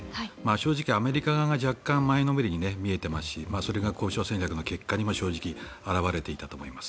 正直、アメリカが若干前のめりに見えていますしそれが交渉戦略の結果にも正直、表れていたと思います。